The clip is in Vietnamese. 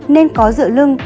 nên có dựa lưng